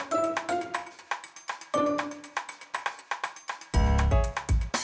pintar pintar pintar